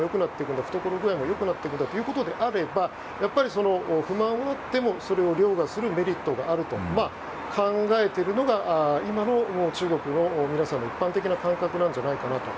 懐具合も良くなっていくということであれば不満があってもそれを凌駕するメリットがあると考えているのが今の中国の皆さんの一般的な感覚なんじゃないかと。